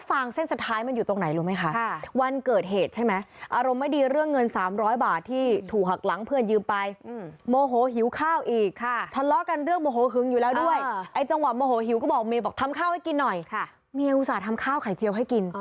ฟังเขาเล่าเลย